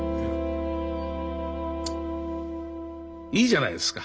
いいじゃないですか。